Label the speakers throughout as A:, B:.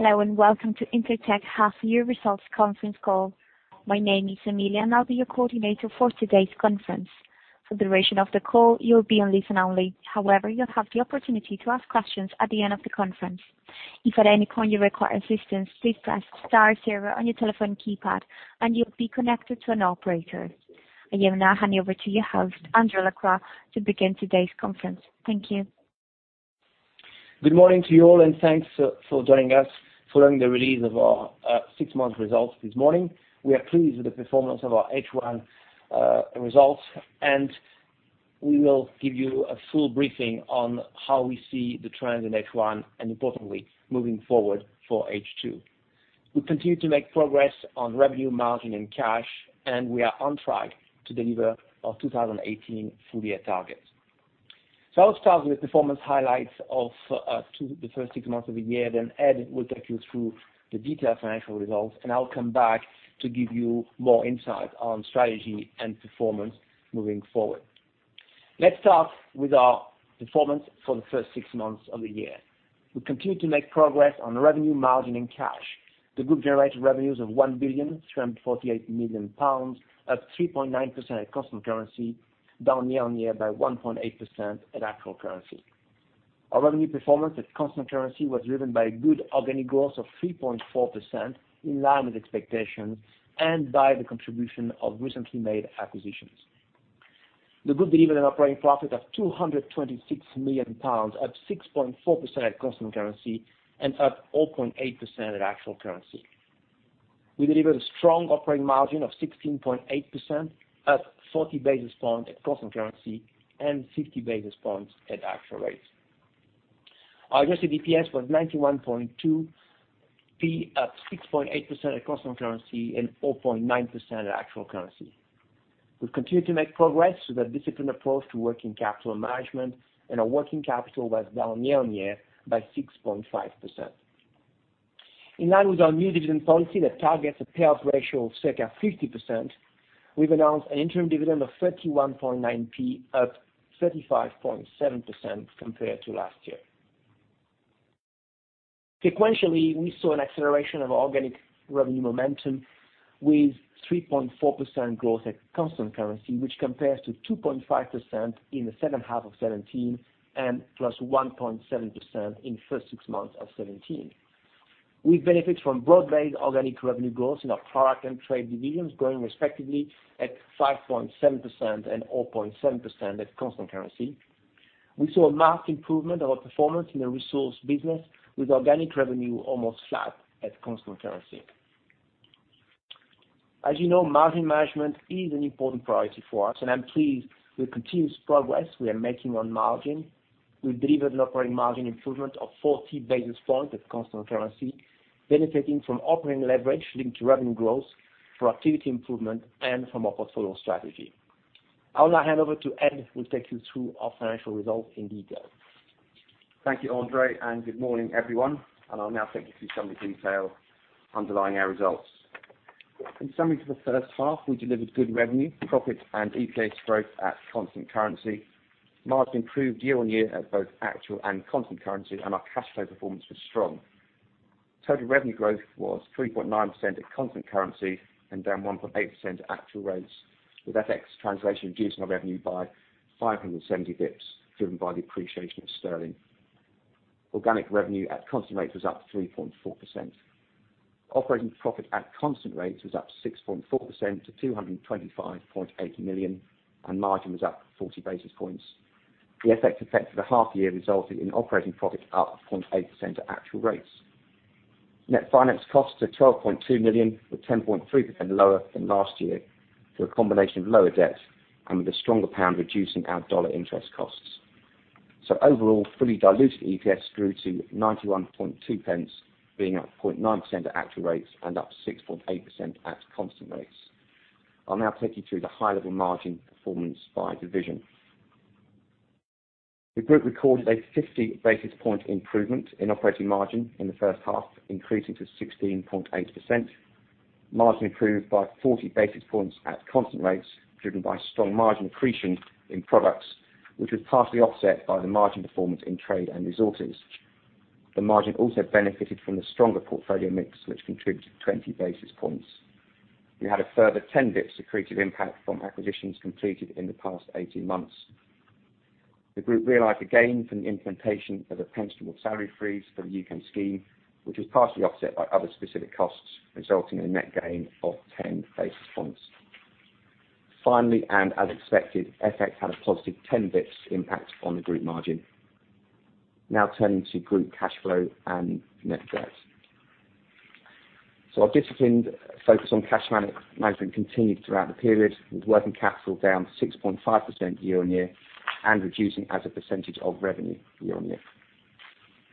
A: Hello, and welcome to Intertek Half Year Results Conference Call. My name is Amelia, and I'll be your coordinator for today's conference. For the duration of the call, you'll be on listen only. However, you'll have the opportunity to ask questions at the end of the conference. If at any point you require assistance, please press star zero on your telephone keypad, and you'll be connected to an operator. I will now hand over to your host, André Lacroix, to begin today's conference. Thank you.
B: Good morning to you all, and thanks for joining us following the release of our six-month results this morning. We are pleased with the performance of our H1 results, and we will give you a full briefing on how we see the trends in H1 and importantly, moving forward for H2. We continue to make progress on revenue margin and cash, and we are on track to deliver our 2018 full year targets. I'll start with performance highlights of the first six months of the year, then Ed will take you through the detailed financial results, and I'll come back to give you more insight on strategy and performance moving forward. Let's start with our performance for the first six months of the year. We continue to make progress on revenue margin and cash. The group generated revenues of 1,348,000,000 pounds, up 3.9% at constant currency, down year-on-year by 1.8% at actual currency. Our revenue performance at constant currency was driven by good organic growth of 3.4%, in line with expectations, and by the contribution of recently made acquisitions. The group delivered an operating profit of 226,000,000 pounds, up 6.4% at constant currency and up 0.8% at actual currency. We delivered a strong operating margin of 16.8%, up 40 basis points at constant currency and 50 basis points at actual rates. Our adjusted EPS was 0.912, up 6.8% at constant currency and 0.9% at actual currency. We've continued to make progress with a disciplined approach to working capital management, and our working capital was down year-on-year by 6.5%. In line with our new dividend policy that targets a payout ratio of circa 50%, we've announced an interim dividend of 0.319, up 35.7% compared to last year. Sequentially, we saw an acceleration of organic revenue momentum with 3.4% growth at constant currency, which compares to 2.5% in the second half of 2017 and +1.7% in first six months of 2017. We benefit from broad-based organic revenue growth in our product and trade divisions, growing respectively at 5.7% and 0.7% at constant currency. We saw a marked improvement of our performance in the resource business with organic revenue almost flat at constant currency. As you know, margin management is an important priority for us, and I'm pleased with continuous progress we are making on margin. We delivered an operating margin improvement of 40 basis points at constant currency, benefiting from operating leverage linked to revenue growth, productivity improvement, and from our portfolio strategy. I will now hand over to Ed, who will take you through our financial results in detail.
C: Thank you, André, and good morning, everyone. I'll now take you through some of the detail underlying our results. In summary for the first half, we delivered good revenue, profit, and EPS growth at constant currency. Margin improved year-on-year at both actual and constant currency, and our cash flow performance was strong. Total revenue growth was 3.9% at constant currency and down 1.8% at actual rates, with FX translation reducing our revenue by 570 basis points, driven by the appreciation of Sterling. Organic revenue at constant rates was up 3.4%. Operating profit at constant rates was up 6.4% to 225.8 million, and margin was up 40 basis points. The FX effect for the half year resulted in operating profit up 0.8% at actual rates. Net finance costs are 12.2 million, with 10.3% lower than last year through a combination of lower debt and with a stronger Pound reducing our USD interest costs. Overall, fully diluted EPS grew to 0.912, being up 0.9% at actual rates and up 6.8% at constant rates. I'll now take you through the high-level margin performance by division. The group recorded a 50 basis points improvement in operating margin in the first half, increasing to 16.8%. Margin improved by 40 basis points at constant rates, driven by strong margin accretion in products, which was partially offset by the margin performance in trade and resources. The margin also benefited from the stronger portfolio mix, which contributed 20 basis points. We had a further 10 basis points accretive impact from acquisitions completed in the past 18 months. The group realized a gain from the implementation of a pensionable salary freeze for the U.K. scheme, which was partially offset by other specific costs, resulting in a net gain of 10 basis points. Finally, as expected, FX had a positive 10 basis points impact on the group margin. Now turning to group cash flow and net debt. Our disciplined focus on cash management continued throughout the period, with working capital down 6.5% year-on-year and reducing as a percentage of revenue year-on-year.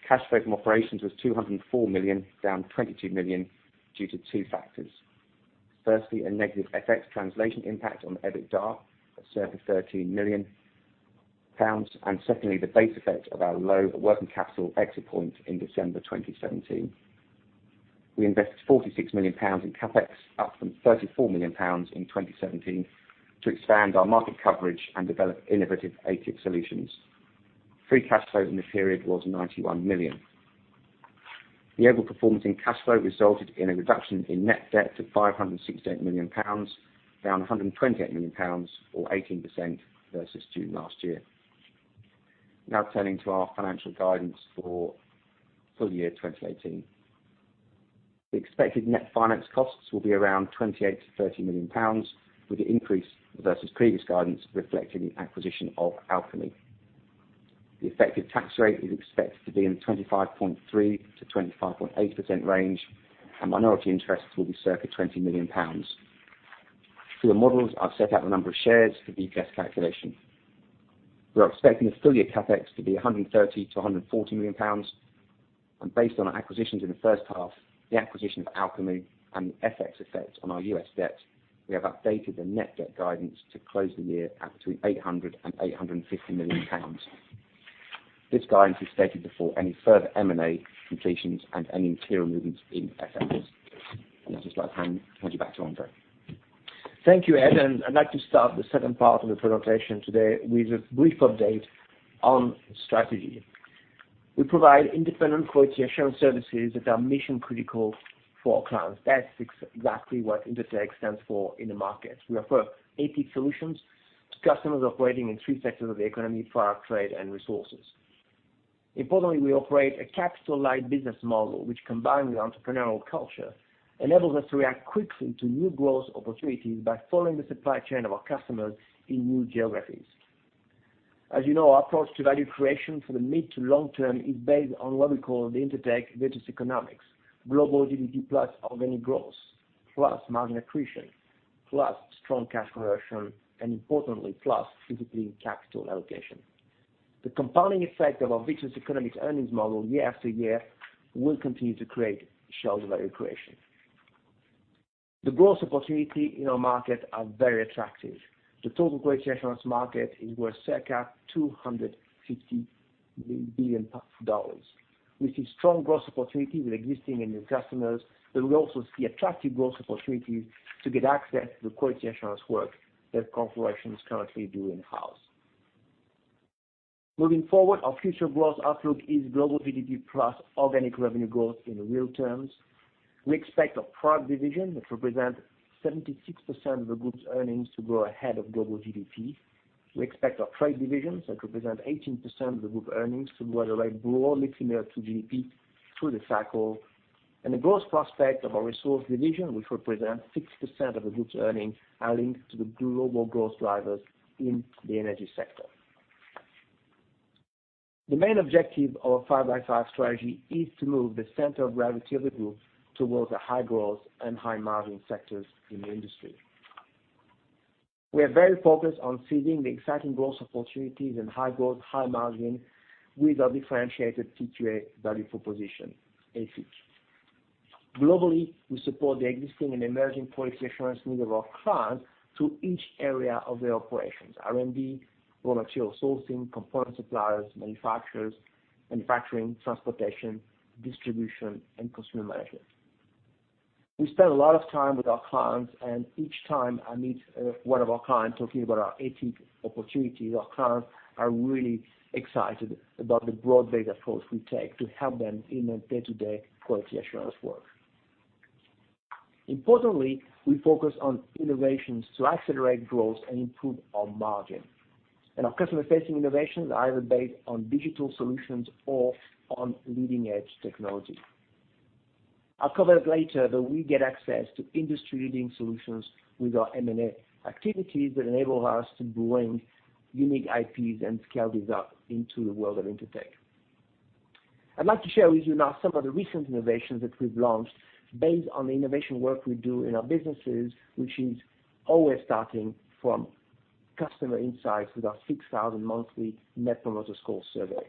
C: Cash flow from operations was 204 million, down 22 million due to two factors. Firstly, a negative FX translation impact on EBITDA of circa 13 million pounds. Secondly, the base effect of our low working capital exit point in December 2017. We invested 46 million pounds in CapEx, up from 34 million pounds in 2017, to expand our market coverage and develop innovative ATIC solutions. Free cash flow in the period was 91 million. The overall performance in cash flow resulted in a reduction in net debt to 568 million pounds, down 128 million pounds, or 18% versus June last year. Now turning to our financial guidance for full year 2018. The expected net finance costs will be around 28 million-30 million pounds, with the increase versus previous guidance reflecting the acquisition of Alchemy. The effective tax rate is expected to be in the 25.3%-25.8% range, and minority interests will be circa 20 million pounds. For the models, I've set out the number of shares for the EPS calculation. We are expecting the full-year CapEx to be 130 million-140 million pounds. Based on our acquisitions in the first half, the acquisition of Alchemy and the FX effect on our U.S. debt, we have updated the net debt guidance to close the year at between 800 and 850 million pounds. This guidance is stated before any further M&A completions and any material movements in FX. With that, I will hand you back to André.
B: Thank you, Ed. I would like to start the second part of the presentation today with a brief update on strategy. We provide independent quality assurance services that are mission-critical for our clients. That is exactly what Intertek stands for in the market. We offer ATIC solutions to customers operating in three sectors of the economy, product, trade, and resources. Importantly, we operate a capital-light business model, which combined with entrepreneurial culture, enables us to react quickly to new growth opportunities by following the supply chain of our customers in new geographies. As you know, our approach to value creation for the mid to long term is based on what we call the Intertek Virtuous Economics, global GDP plus organic growth, plus margin accretion, plus strong cash conversion, and importantly, plus disciplined capital allocation. The compounding effect of our Virtuous Economic earnings model year after year will continue to create shareholder value creation. The growth opportunities in our market are very attractive. The total quality assurance market is worth circa $250 billion. We see strong growth opportunities with existing and new customers, but we also see attractive growth opportunities to get access to the quality assurance work that corporations currently do in-house. Moving forward, our future growth outlook is global GDP plus organic revenue growth in real terms. We expect our product division, which represents 76% of the group's earnings, to grow ahead of global GDP. We expect our trade division, that represent 18% of the group earnings, to grow at a rate broadly similar to GDP through the cycle. The growth prospect of our resource division, which represents 6% of the group's earnings, are linked to the global growth drivers in the energy sector. The main objective of our 5x5 strategy is to move the center of gravity of the group towards the high growth and high margin sectors in the industry. We are very focused on seizing the exciting growth opportunities in high growth, high margin with our differentiated TQA value proposition, ATIC. Globally, we support the existing and emerging quality assurance needs of our clients through each area of their operations, R&D, raw material sourcing, component suppliers, manufacturers, manufacturing, transportation, distribution, and consumer management. We spend a lot of time with our clients, each time I meet one of our clients talking about our ATIC opportunities, our clients are really excited about the broad-based approach we take to help them in their day-to-day quality assurance work. Importantly, we focus on innovations to accelerate growth and improve our margin. Our customer-facing innovations are either based on digital solutions or on leading-edge technology. I'll cover later that we get access to industry-leading solutions with our M&A activities that enable us to bring unique IPs and scale these up into the world of Intertek. I'd like to share with you now some of the recent innovations that we've launched based on the innovation work we do in our businesses, which is always starting from customer insights with our 6,000 monthly Net Promoter Score survey.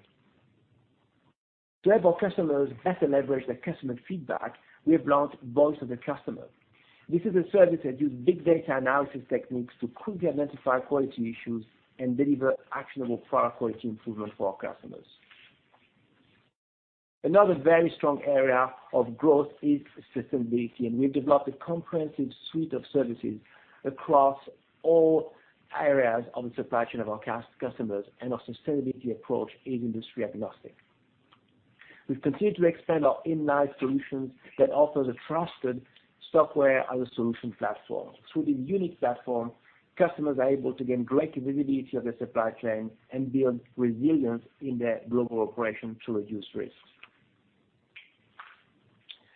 B: To help our customers better leverage their customer feedback, we have launched Voice of the Customer. This is a service that uses big data analysis techniques to quickly identify quality issues and deliver actionable product quality improvement for our customers. Another very strong area of growth is sustainability, we've developed a comprehensive suite of services across all areas of the supply chain of our customers, our sustainability approach is industry agnostic. We've continued to expand our Inlight solutions that offer the trusted software-as-a-service platform. Through this unique platform, customers are able to gain great visibility of their supply chain and build resilience in their global operation to reduce risks.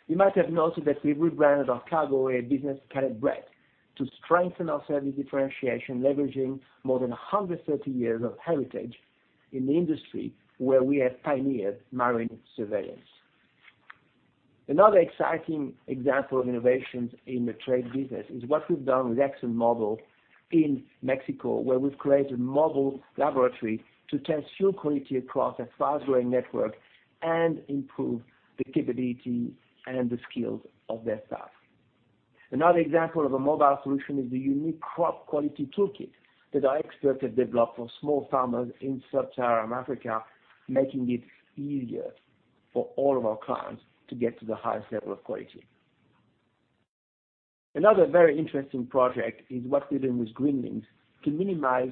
B: You might have noticed that we've rebranded our cargo air business Caleb Brett, to strengthen our service differentiation, leveraging more than 130 years of heritage in the industry where we have pioneered marine surveillance. Another exciting example of innovations in the trade business is what we've done with ExxonMobil in Mexico, where we've created a mobile laboratory to ensure quality across a fast-growing network and improve the capability and the skills of their staff. Another example of a mobile solution is the unique crop quality toolkit that our experts have developed for small farmers in sub-Saharan Africa, making it easier for all of our clients to get to the highest level of quality. Another very interesting project is what we're doing with Greenlink to minimize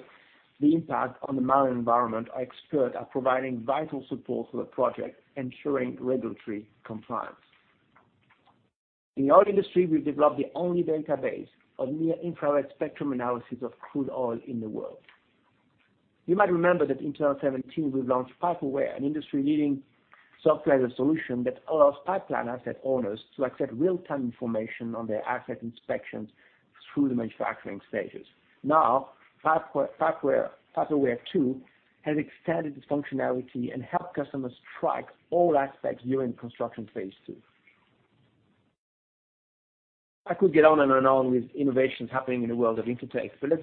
B: the impact on the marine environment. Our experts are providing vital support for the project, ensuring regulatory compliance. In the oil industry, we've developed the only database of near-infrared spectrum analysis of crude oil in the world. You might remember that in 2017, we launched PipeAware, an industry-leading software solution that allows pipeline asset owners to accept real-time information on their asset inspections through the manufacturing stages. Now, PipeAware 2 has extended its functionality and helps customers track all aspects during the construction phase, too. Let's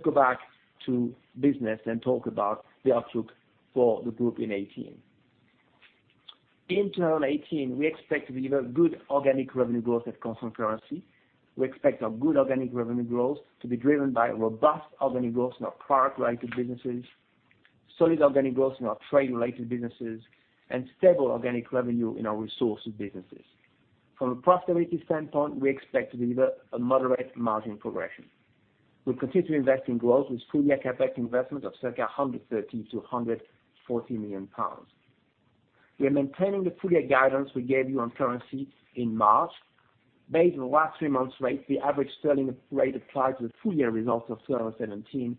B: go back to business and talk about the outlook for the group in 2018. In 2018, we expect to deliver good organic revenue growth at constant currency. We expect our good organic revenue growth to be driven by robust organic growth in our product-related businesses, solid organic growth in our trade-related businesses, stable organic revenue in our resources businesses. From a profitability standpoint, we expect to deliver a moderate margin progression. We continue to invest in growth with full-year CapEx investments of circa 130 million-140 million pounds. We are maintaining the full-year guidance we gave you on currency in March. Based on the last three months rate, the average sterling rate applied to the full year results of 2017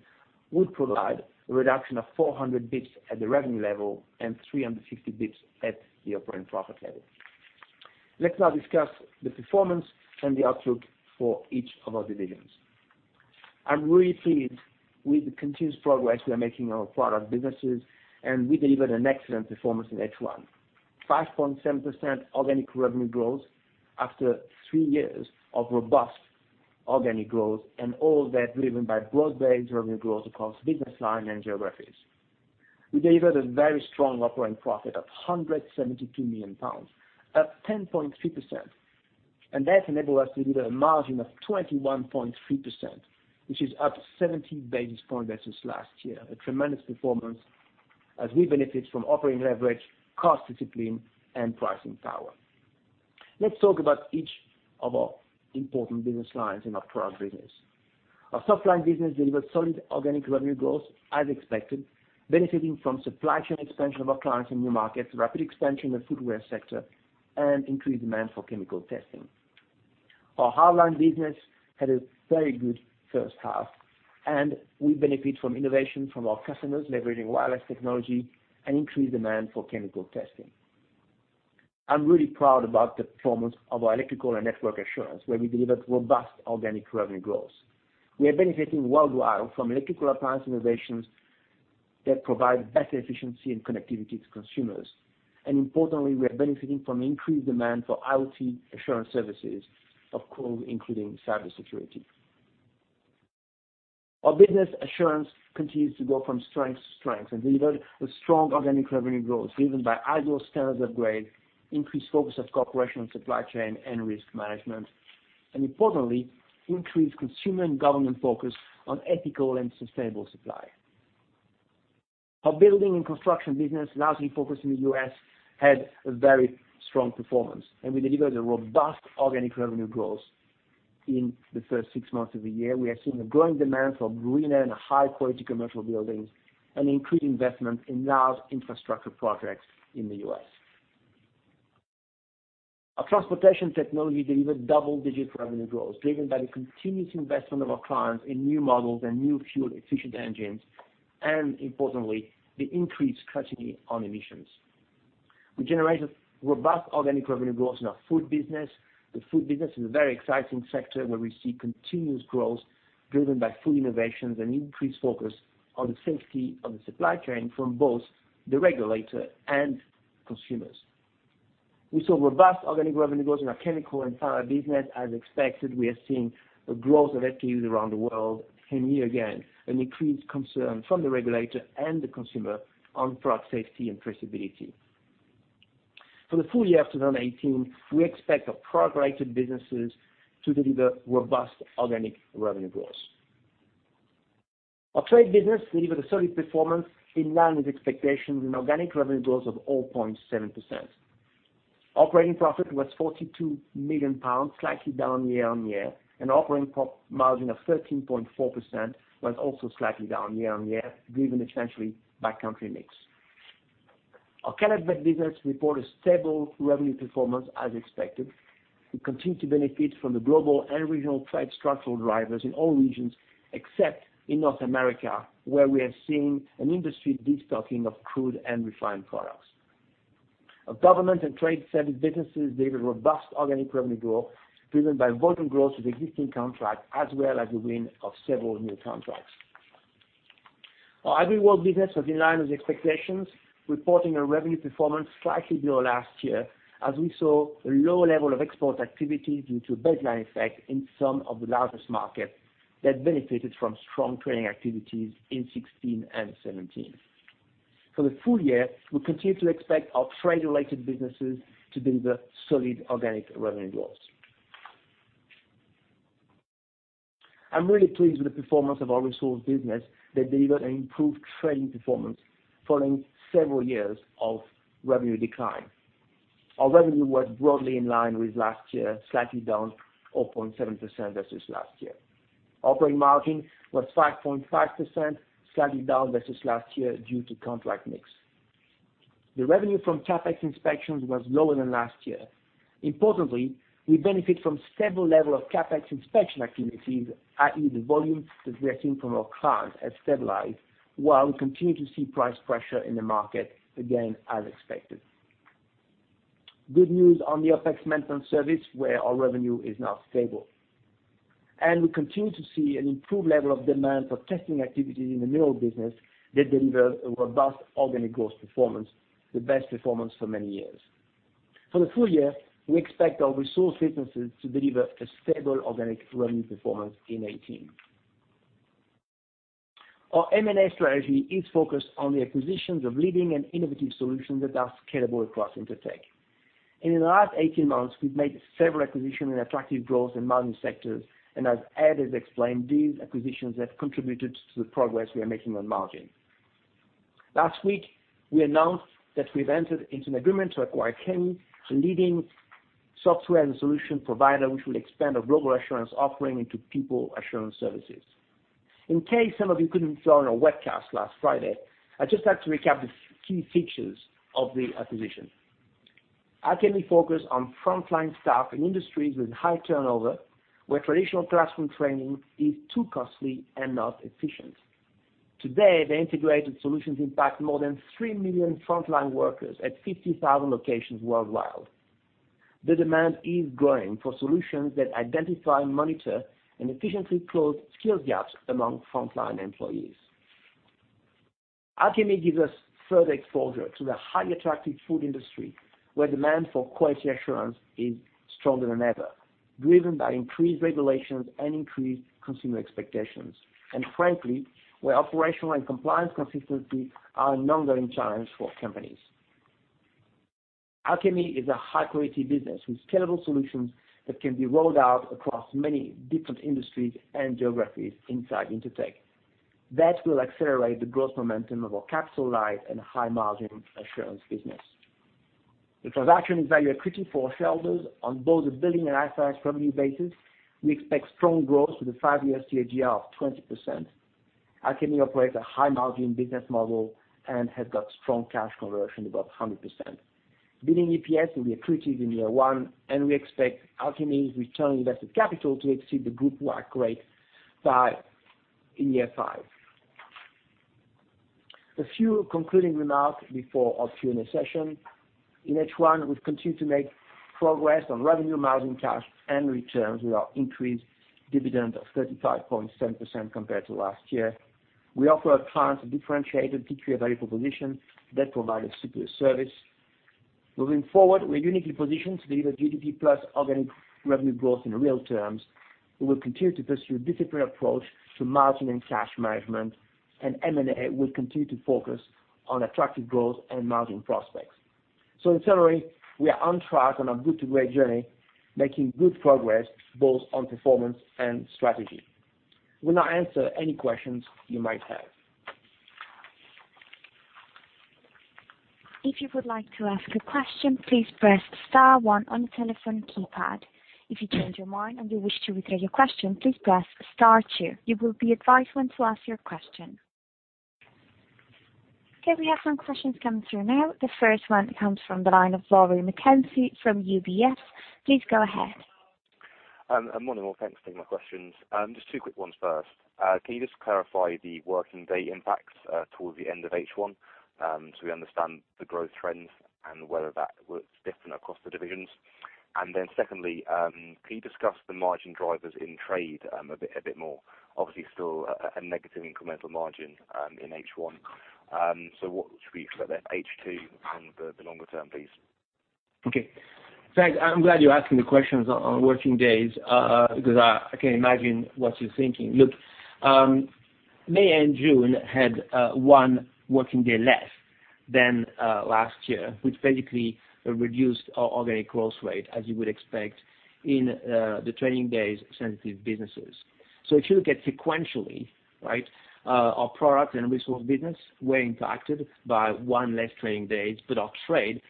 B: would provide a reduction of 400 basis points at the revenue level and 350 basis points at the operating profit level. Let's now discuss the performance and the outlook for each of our divisions. I'm really pleased with the continuous progress we are making in our product businesses, and we delivered an excellent performance in H1. 5.7% organic revenue growth after three years of robust organic growth. All that driven by broad-based revenue growth across business lines and geographies. We delivered a very strong operating profit of 172 million pounds, up 10.3%. That enabled us to deliver a margin of 21.3%, which is up 70 basis points versus last year. A tremendous performance as we benefit from operating leverage, cost discipline, and pricing power. Let's talk about each of our important business lines in our product business. Our Softlines business delivered solid organic revenue growth as expected, benefiting from supply chain expansion of our clients in new markets, rapid expansion in the footwear sector, and increased demand for chemical testing. Our Hardlines business had a very good first half. We benefit from innovation from our customers leveraging wireless technology and increased demand for chemical testing. I'm really proud about the performance of our Electrical & Network Assurance, where we delivered robust organic revenue growth. We are benefiting worldwide from electrical appliance innovations that provide better efficiency and connectivity to consumers. Importantly, we are benefiting from increased demand for IoT assurance services, of course, including Cybersecurity. Our Business Assurance continues to go from strength to strength and delivered a strong organic revenue growth driven by ISO standards upgrade, increased focus of corporation on supply chain and risk management. Importantly, increased consumer and government focus on ethical and sustainable supply. Our Building & Construction business, largely focused in the U.S., had a very strong performance. We delivered a robust organic revenue growth in the first six months of the year. We are seeing a growing demand for greener and higher-quality commercial buildings and increased investment in large infrastructure projects in the U.S. Our Transportation Technologies delivered double-digit revenue growth, driven by the continuous investment of our clients in new models and new fuel-efficient engines. Importantly, the increased scrutiny on emissions. We generated robust organic revenue growth in our food business. The food business is a very exciting sector where we see continuous growth driven by food innovations and increased focus on the safety of the supply chain from both the regulator and consumers. We saw robust organic revenue growth in our Chemical and Pharma business. As expected, we are seeing a growth of activities around the world. Year again, an increased concern from the regulator and the consumer on product safety and traceability. For the full year of 2018, we expect our product-related businesses to deliver robust organic revenue growth. Our trade business delivered a solid performance in line with expectations, an organic revenue growth of 0.7%. Operating profit was 42 million pounds, slightly down year-on-year. Operating margin of 13.4% was also slightly down year-on-year, driven essentially by country mix. Our Caleb Brett business reported stable revenue performance as expected. We continue to benefit from the global and regional trade structural drivers in all regions except in North America, where we have seen an industry destocking of crude and refined products. Our Government and Trade Services businesses delivered robust organic revenue growth driven by volume growth of existing contracts as well as the win of several new contracts. Our AgriWorld business was in line with expectations, reporting a revenue performance slightly below last year as we saw a low level of export activities due to a baseline effect in some of the largest markets that benefited from strong trading activities in 2016 and 2017. For the full year, we continue to expect our trade-related businesses to deliver solid organic revenue growth. I'm really pleased with the performance of our resource business that delivered an improved trading performance following several years of revenue decline. Our revenue was broadly in line with last year, slightly down 0.7% versus last year. Operating margin was 5.5%, slightly down versus last year due to contract mix. The revenue from CapEx inspections was lower than last year. Importantly, we benefit from several level of CapEx inspection activities, i.e., the volume that we are seeing from our clients has stabilized, while we continue to see price pressure in the market, again as expected. Good news on the OpEx maintenance service where our revenue is now stable. We continue to see an improved level of demand for testing activities in the mineral business that deliver a robust organic growth performance, the best performance for many years. For the full year, we expect our resource businesses to deliver a stable organic revenue performance in 2018. Our M&A strategy is focused on the acquisitions of leading and innovative solutions that are scalable across Intertek. In the last 18 months, we've made several acquisition and attractive growth in margin sectors, as Ed has explained, these acquisitions have contributed to the progress we are making on margin. Last week, we announced that we've entered into an agreement to acquire Alchemy, a leading software and solution provider, which will expand our global assurance offering into People Assurance services. In case some of you couldn't join our webcast last Friday, I just like to recap the key features of the acquisition. Alchemy focus on frontline staff in industries with high turnover, where traditional classroom training is too costly and not efficient. Today, their integrated solutions impact more than 3 million frontline workers at 50,000 locations worldwide. The demand is growing for solutions that identify, monitor, and efficiently close skills gaps among frontline employees. Alchemy gives us further exposure to the highly attractive food industry, where demand for quality assurance is stronger than ever, driven by increased regulations and increased consumer expectations. Frankly, where operational and compliance consistency are an ongoing challenge for companies. Alchemy is a high-quality business with scalable solutions that can be rolled out across many different industries and geographies inside Intertek. That will accelerate the growth momentum of our capital light and high margin assurance business. The transaction is value accretive for our shareholders. On both a Billing and IFRS revenue basis, we expect strong growth with a 5-year CAGR of 20%. Alchemy operates a high margin business model and has got strong cash conversion, above 100%. Billing EPS will be accretive in year 1, and we expect Alchemy's return on invested capital to exceed the group wide rate in year 5. A few concluding remarks before our Q&A session. In H1, we have continued to make progress on revenue, margin, cash, and returns with our increased dividend of 35.7% compared to last year. We offer our clients a differentiated value proposition that provides a superior service. We are uniquely positioned to deliver GDP plus organic revenue growth in real terms. We will continue to pursue disciplined approach to margin and cash management. M&A will continue to focus on attractive growth and margin prospects. In summary, we are on track on our good to great journey, making good progress both on performance and strategy. We will now answer any questions you might have.
A: If you would like to ask a question, please press star 1 on your telephone keypad. If you change your mind and you wish to withdraw your question, please press star 2. You will be advised when to ask your question. We have some questions coming through now. The first one comes from the line of Rory McKenzie from UBS. Please go ahead.
D: Good morning all. Thanks for taking my questions. Just 2 quick ones first. Can you just clarify the working day impacts towards the end of H1 so we understand the growth trends and whether that was different across the divisions? Secondly, can you discuss the margin drivers in Trade a bit more? Still a negative incremental margin in H1. What should we expect there H2 and the longer term, please?
B: Okay. Thanks. I'm glad you're asking the questions on working days because I can imagine what you're thinking. Look, May and June had one working day less than last year, which basically reduced our organic growth rate, as you would expect in the trading days sensitive businesses. If you look at sequentially, right, our product and resource business were impacted by one less trading day, but our trade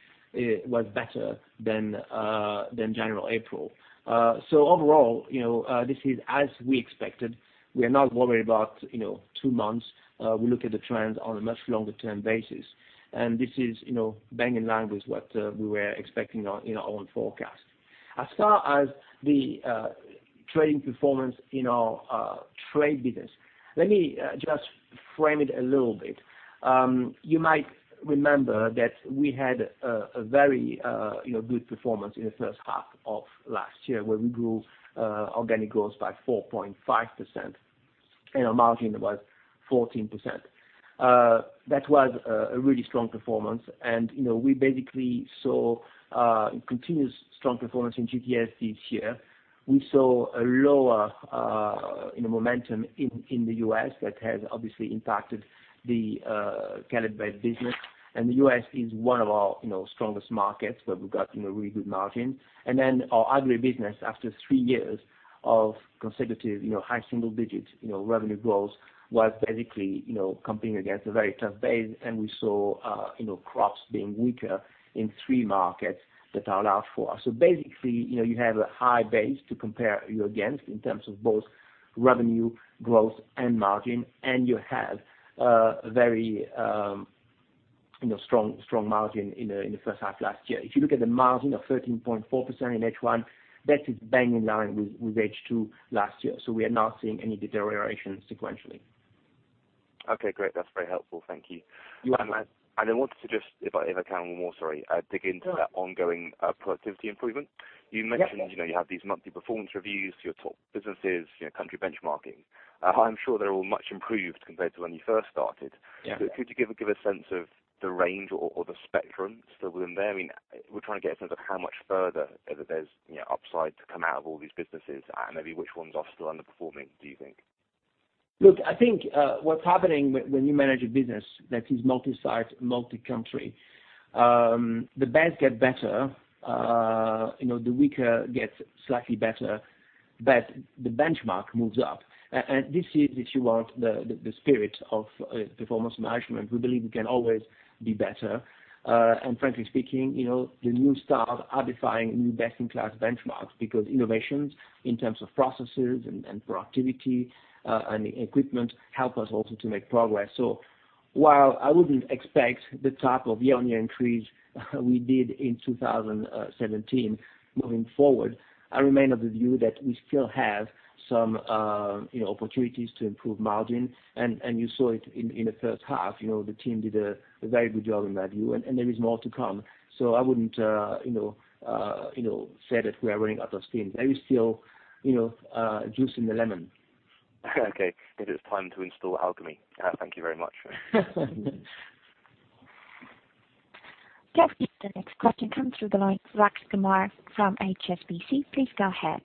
B: was better than January, April. Overall, this is as we expected. We are not worried about two months. We look at the trends on a much longer term basis. This is bang in line with what we were expecting in our own forecast. As far as the trading performance in our trade business, let me just frame it a little bit. You might remember that we had a very good performance in the first half of last year where we grew organic growth by 4.5%. Our margin was 14%. That was a really strong performance. We basically saw a continuous strong performance in GTS this year. We saw a lower momentum in the U.S. that has obviously impacted the Caleb Brett business. The U.S. is one of our strongest markets where we've got really good margin. Our Agri business, after three years of consecutive high single digits revenue growth, was basically competing against a very tough base. We saw crops being weaker in three markets that are a lot for us. Basically, you have a high base to compare you against in terms of both revenue growth and margin, and you have a very strong margin in the first half last year. If you look at the margin of 13.4% in H1, that is bang in line with H2 last year. We are not seeing any deterioration sequentially.
D: Okay, great. That's very helpful. Thank you.
B: You are welcome.
D: I wanted to just, if I can, one more, sorry, dig into that ongoing productivity improvement.
B: Yeah.
D: You mentioned you have these monthly performance reviews, your top businesses, country benchmarking. I'm sure they're all much improved compared to when you first started.
B: Yeah.
D: Could you give a sense of the range or the spectrum still in there? We're trying to get a sense of how much further there's upside to come out of all these businesses, and maybe which ones are still underperforming, do you think?
B: Look, I think what's happening when you manage a business that is multi-site, multi-country, the best get better, the weaker gets slightly better, but the benchmark moves up. This is, if you want, the spirit of performance management. We believe we can always do better. Frankly speaking, the new staff are defining new best-in-class benchmarks because innovations in terms of processes and productivity, and equipment help us also to make progress. While I wouldn't expect the type of year-on-year increase we did in 2017 moving forward, I remain of the view that we still have some opportunities to improve margin. You saw it in the first half, the team did a very good job in that view, and there is more to come. I wouldn't say that we are running out of steam. There is still juice in the lemon.
D: Okay. Maybe it's time to install Alchemy. Thank you very much.
A: The next question comes through the line, Vatsal Gamit from HSBC. Please go ahead.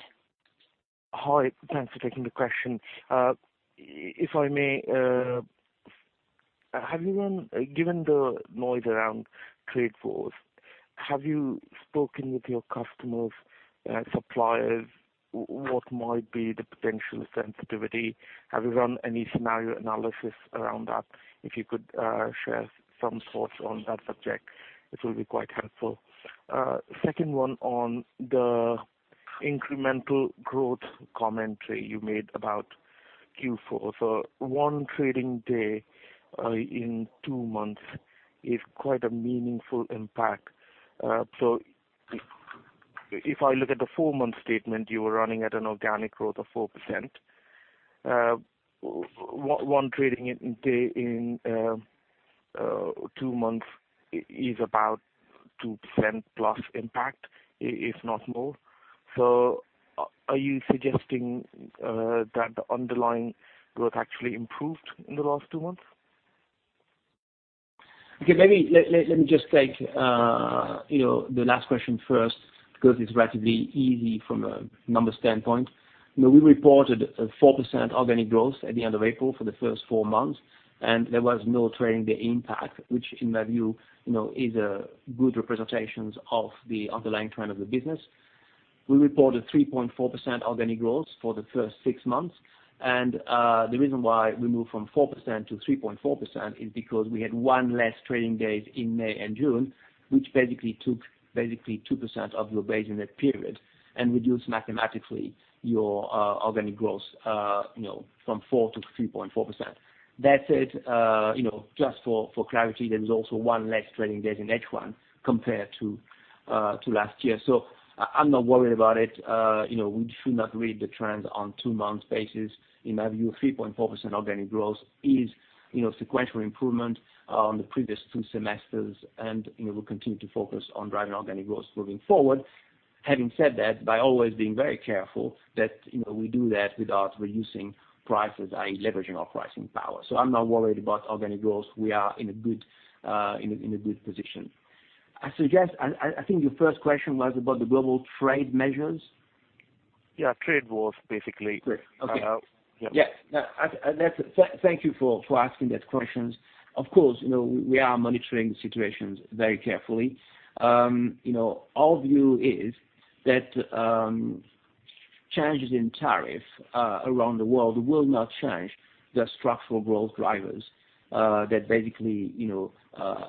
E: Hi. Thanks for taking the question. If I may, given the noise around trade wars, have you spoken with your customers, suppliers, what might be the potential sensitivity? Have you run any scenario analysis around that? If you could share some thoughts on that subject, it will be quite helpful. Second one on the incremental growth commentary you made about Q4. One trading day in two months is quite a meaningful impact. If I look at the four-month statement, you were running at an organic growth of 4%. One trading day in two months is about 2%+ impact, if not more. Are you suggesting that the underlying growth actually improved in the last two months?
B: Okay. Let me just take the last question first because it is relatively easy from a numbers standpoint. We reported a 4% organic growth at the end of April for the first four months, and there was no trading day impact, which in my view, is a good representation of the underlying trend of the business. We reported 3.4% organic growth for the first six months, and the reason why we moved from 4% to 3.4% is because we had one less trading day in May and June, which basically took 2% of your base in that period and reduced mathematically your organic growth from 4% to 3.4%. That said, just for clarity, there is also one less trading day in H1 compared to last year. I am not worried about it. We should not read the trends on two months basis. In my view, 3.4% organic growth is sequential improvement on the previous two semesters, and we will continue to focus on driving organic growth moving forward. Having said that, by always being very careful that we do that without reducing prices, i.e., leveraging our pricing power. I am not worried about organic growth. We are in a good position. I think your first question was about the global trade measures?
E: Yeah. Trade wars, basically.
B: Great. Okay.
E: Yeah.
B: Yeah. Thank you for asking that question. Of course, we are monitoring the situations very carefully. Our view is that changes in tariff around the world will not change the structural growth drivers that basically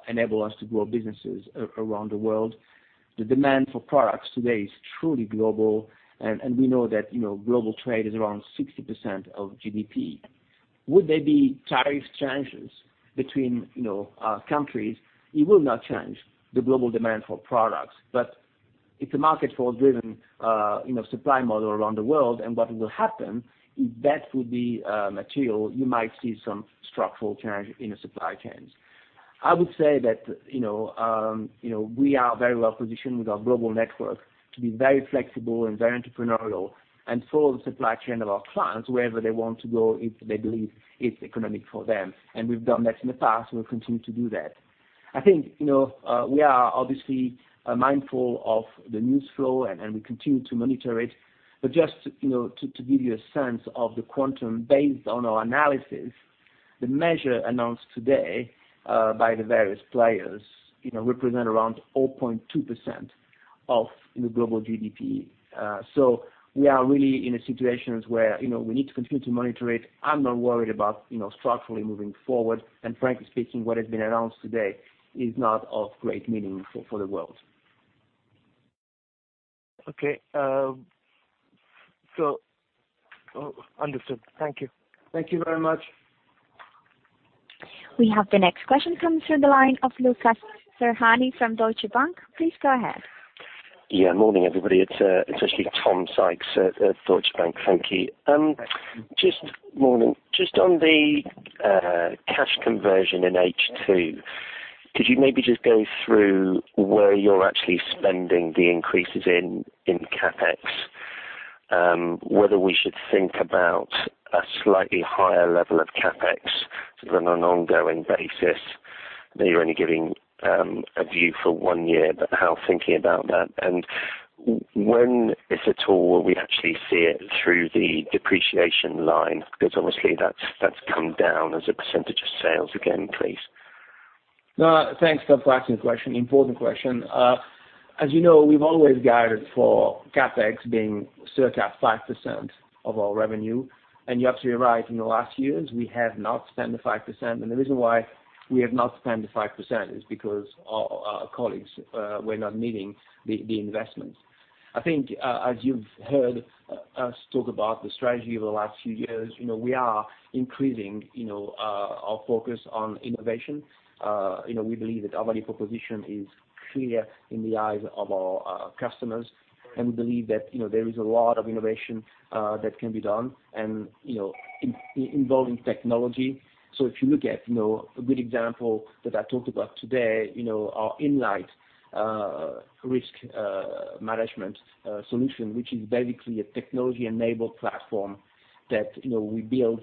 B: enable us to grow businesses around the world. The demand for products today is truly global, and we know that global trade is around 60% of GDP. Would there be tariff changes between countries? It will not change the global demand for products. It's a market force-driven supply model around the world, and what will happen, if that would be material, you might see some structural change in the supply chains. I would say that we are very well positioned with our global network to be very flexible and very entrepreneurial, and for the supply chain of our clients, wherever they want to go, if they believe it's economic for them. We've done that in the past, and we'll continue to do that. I think we are obviously mindful of the news flow, and we continue to monitor it. Just to give you a sense of the quantum based on our analysis, the measure announced today by the various players represent around 0.2% of the global GDP. We are really in a situation where we need to continue to monitor it. I'm not worried about structurally moving forward. Frankly speaking, what has been announced today is not of great meaning for the world.
E: Okay. Understood. Thank you. Thank you very much.
A: We have the next question coming through the line of Lukas Serhany from Deutsche Bank. Please go ahead.
F: Yeah. Morning, everybody. It's actually Tom Sykes at Deutsche Bank. Thank you.
B: Thanks, Tom.
F: Just on the cash conversion in H2, could you maybe just go through where you're actually spending the increases in CapEx? Whether we should think about a slightly higher level of CapEx than on an ongoing basis, that you're only giving a view for one year, but how thinking about that, and when, if at all, will we actually see it through the depreciation line? Because obviously that's come down as a % of sales again, please.
B: Thanks, Tom, for asking the question. Important question. As you know, we've always guided for CapEx being circa 5% of our revenue. You're absolutely right. In the last years, we have not spent the 5%. The reason why we have not spent the 5% is because our colleagues were not needing the investment. I think, as you've heard us talk about the strategy over the last few years, we are increasing our focus on innovation. We believe that our value proposition is clear in the eyes of our customers, and we believe that there is a lot of innovation that can be done and involving technology. If you look at a good example that I talked about today, our Inlight risk management solution, which is basically a technology-enabled platform that we build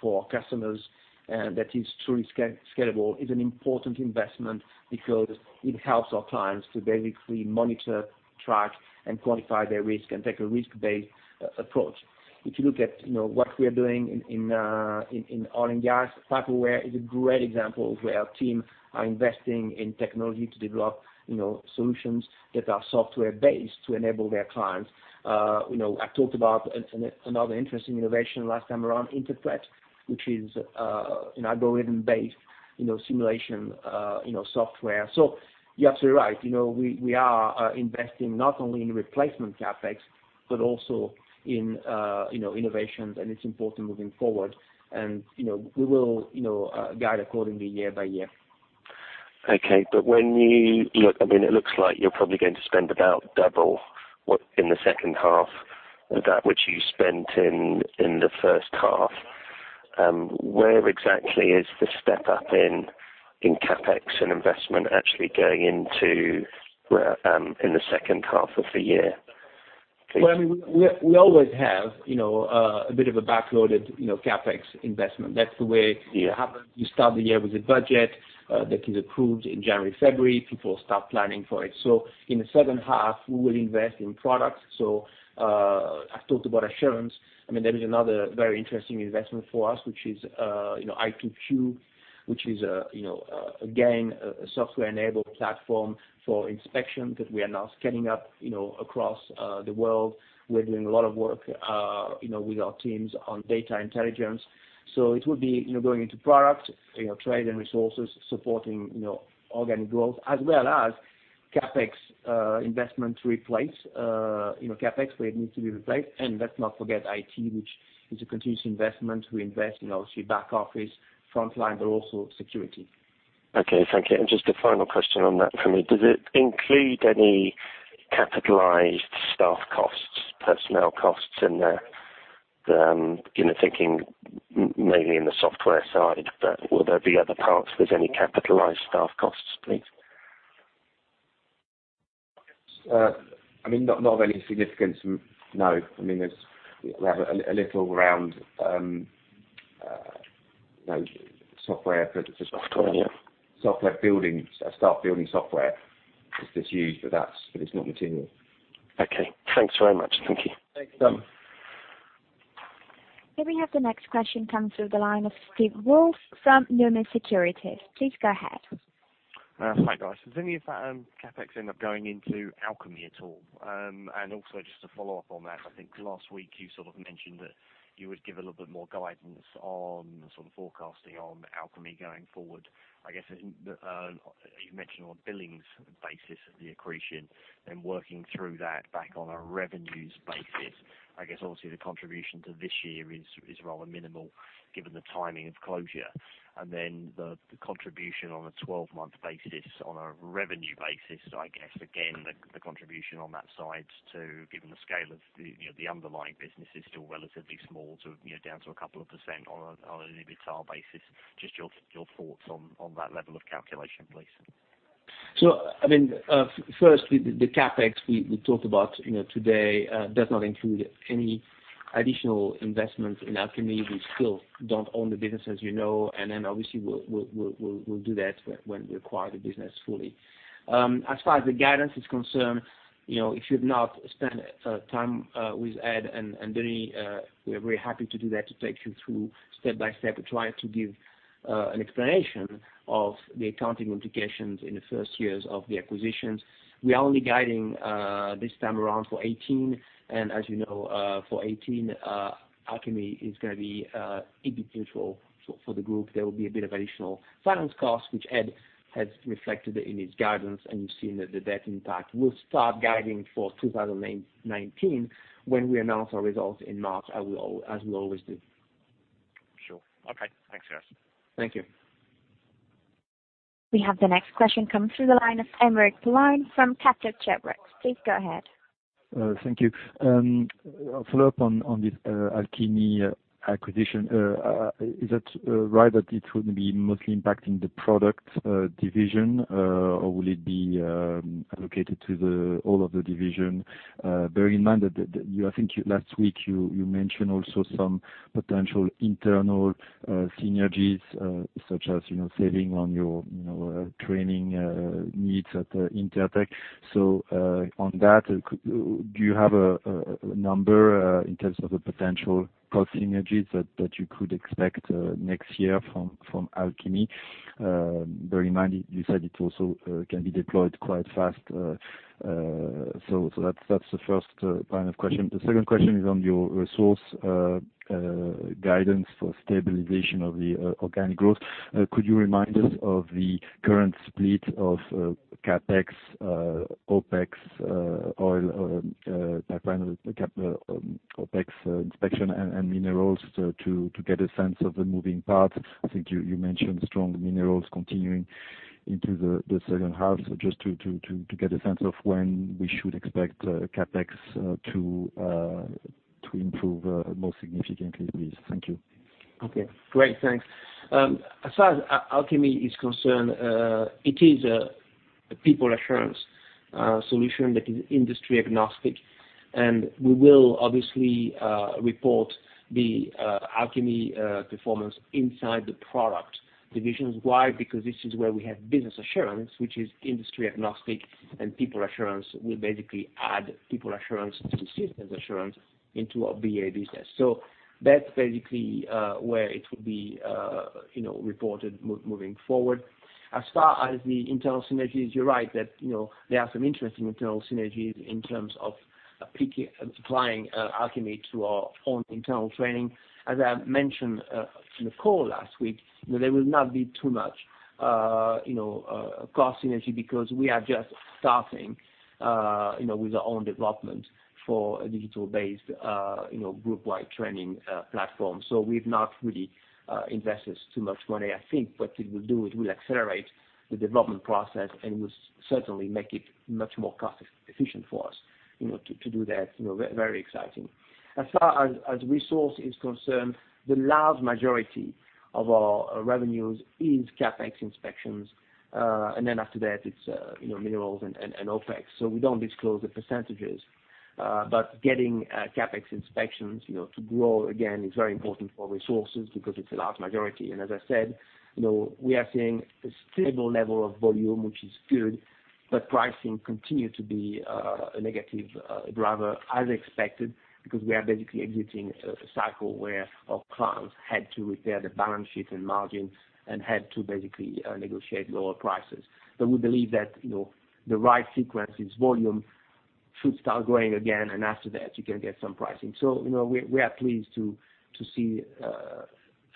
B: for our customers and that is truly scalable, is an important investment because it helps our clients to basically monitor, track, and quantify their risk and take a risk-based approach. If you look at what we are doing in oil and gas, PipeAware is a great example of where our team are investing in technology to develop solutions that are software based to enable their clients. I talked about another interesting innovation last time around InterpreX, which is an algorithm-based simulation software. You're absolutely right. We are investing not only in replacement CapEx, but also in innovations, and it's important moving forward. We will guide accordingly year by year.
F: Okay. It looks like you're probably going to spend about double what in the second half that which you spent in the first half. Where exactly is the step up in CapEx and investment actually going into in the second half of the year, please?
B: We always have a bit of a backloaded CapEx investment. That's the way.
F: Yeah
B: You start the year with a budget that is approved in January, February, people start planning for it. In the second half, we will invest in products. I talked about Assurance. There is another very interesting investment for us, which is i2Q, which is again, a software-enabled platform for inspection that we are now scaling up across the world. We are doing a lot of work with our teams on data intelligence. It would be going into product, trade and resources, supporting organic growth as well as CapEx investment to replace CapEx where it needs to be replaced. Let's not forget IT, which is a continuous investment. We invest in obviously back office, frontline, but also security.
F: Okay. Thank you. Just a final question on that for me. Does it include any capitalized staff costs, personnel costs in there? Thinking maybe in the software side, but will there be other parts there's any capitalized staff costs, please?
B: Not of any significance, no. We have a little around software-
F: Software, yeah
B: staff building software. It's just huge, but it's not material.
F: Okay. Thanks very much. Thank you.
B: Thanks, Tom.
A: Here we have the next question coming through the line of Steve Woolf from Numis Securities. Please go ahead.
G: Hi, guys. Does any of that CapEx end up going into Alchemy at all? Also just to follow up on that, I think last week you sort of mentioned that you would give a little bit more guidance on sort of forecasting on Alchemy going forward. I guess, you mentioned on billings basis of the accretion then working through that back on a revenues basis. I guess obviously the contribution to this year is rather minimal given the timing of closure. Then the contribution on a 12-month basis on a revenue basis, I guess again, the contribution on that side too, given the scale of the underlying business is still relatively small to down to a couple of percent on an EBITDA basis. Just your thoughts on that level of calculation, please.
B: First, the CapEx we talked about today does not include any additional investment in Alchemy. We still don't own the business, as you know, and then obviously we'll do that when we acquire the business fully. As far as the guidance is concerned, if you've not spent time with Ed and Denny, we're very happy to do that, to take you through step by step to try to give an explanation of the accounting implications in the first years of the acquisitions. We are only guiding this time around for 2018, and as you know, for 2018, Alchemy is going to be EBITDA for the group. There will be a bit of additional finance costs, which Ed has reflected in his guidance, and you've seen the debt impact. We'll start guiding for 2019 when we announce our results in March, as we always do.
G: Sure. Okay. Thanks, guys.
B: Thank you.
A: We have the next question coming through the line of Aymeric Poulain from Kepler Cheuvreux. Please go ahead.
H: Thank you. A follow-up on this Alchemy acquisition. Is that right, that it would be mostly impacting the product division? Or will it be allocated to the whole of the division? Bearing in mind that, I think last week you mentioned also some potential internal synergies, such as saving on your training needs at Intertek. On that, do you have a number in terms of the potential cost synergies that you could expect next year from Alchemy? Bearing in mind you said it also can be deployed quite fast. That's the first line of question. The second question is on your resource guidance for stabilization of the organic growth. Could you remind us of the current split of CapEx, OpEx, oil pipeline, OpEx inspection, and minerals, to get a sense of the moving parts? I think you mentioned strong minerals continuing into the second half. Just to get a sense of when we should expect CapEx to improve more significantly, please. Thank you.
B: Okay. Great, thanks. As far as Alchemy is concerned, it is a People Assurance solution that is industry agnostic, and we will obviously report the Alchemy performance inside the product divisions. Why? Because this is where we have Business Assurance, which is industry agnostic, and People Assurance will basically add People Assurance to systems assurance into our BA business. That's basically where it will be reported moving forward. As far as the internal synergies, you're right that there are some interesting internal synergies in terms of applying Alchemy to our own internal training. As I mentioned in the call last week, there will not be too much cost synergy because we are just starting with our own development for a digital-based group-wide training platform. We've not really invested too much money. I think what it will do, it will accelerate the development process, and will certainly make it much more cost efficient for us to do that. Very exciting. As far as resource is concerned, the large majority of our revenues is CapEx inspections, and then after that it's minerals and OpEx. We don't disclose the percentages. Getting CapEx inspections to grow again is very important for resources because it's a large majority. As I said, we are seeing a stable level of volume, which is good. Pricing continue to be a negative driver as expected, because we are basically exiting a cycle where our clients had to repair the balance sheet and margins and had to basically negotiate lower prices. We believe that the right sequence is volume should start growing again, and after that you can get some pricing. We are pleased to see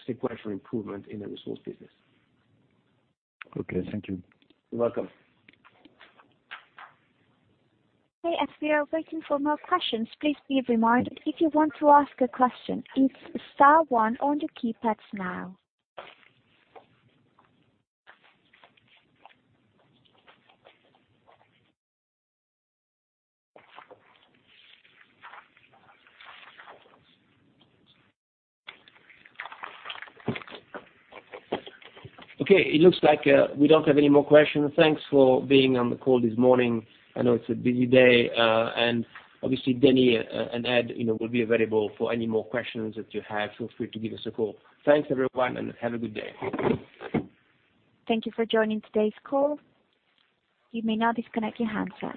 B: sequential improvement in the resource business.
H: Thank you.
B: You're welcome.
A: As we are waiting for more questions, please be reminded, if you want to ask a question, it's star one on the keypads now.
B: Okay, it looks like we don't have any more questions. Thanks for being on the call this morning. I know it's a busy day. Obviously Denis and Ed will be available for any more questions that you have. Feel free to give us a call. Thanks everyone, and have a good day.
A: Thank you for joining today's call. You may now disconnect your handsets.